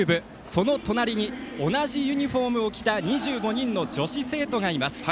その隣に同じユニフォームを着た２５人の女子生徒がいます。